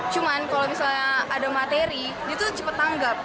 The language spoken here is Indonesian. cuman kalau misalnya ada materi dia tuh cepat tanggap